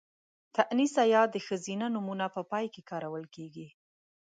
تانيث ۍ د ښځينه نومونو په پای کې کارول کېږي.